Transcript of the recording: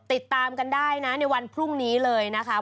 ติดตามกันได้นะในวันพรุ่งนี้เลยนะคะ